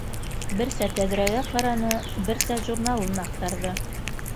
Берсә тәҙрәгә ҡараны, берсә журналын аҡтарҙы.